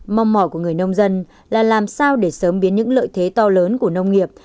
mong mỏi của người nông dân là làm sao để sớm biến những lợi thế to lớn của nông nghiệp